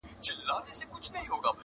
د سل سري اژدها پر كور ناورين سو.!